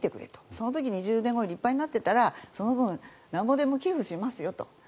その時、２０年後立派になっていたらその分、なんぼでも寄付しますよと。